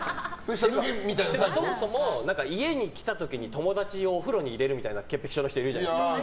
そもそも家に来た時に友達をお風呂に入れるみたいな潔癖症の人いるじゃないですか。